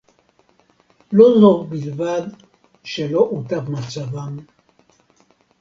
לא זו בלבד שלא הוטב מצבם